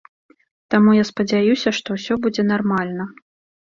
Таму я спадзяюся, што ўсё будзе нармальна.